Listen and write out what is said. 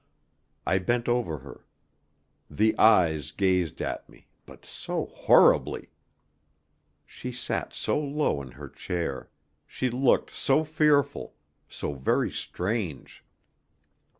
I bent over her. The eyes gazed at me, but so horribly! She sat so low in her chair; she looked so fearful, so very strange.